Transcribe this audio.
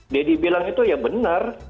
deddy bilang itu benar